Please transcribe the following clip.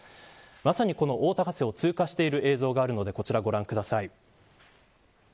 まさに大高瀬を通過している映像があるので、ご覧ください。